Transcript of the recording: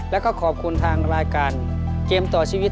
แล้วก็ขอบคุณทางรายการเกมต่อชีวิต